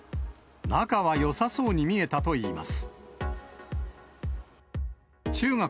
仲はよさそうに見えたといいます。